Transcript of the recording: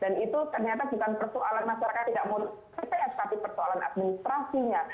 dan itu ternyata bukan persoalan masyarakat tidak mau kesehatan tapi persoalan administrasinya